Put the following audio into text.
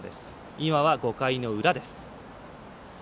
今は５回の裏です。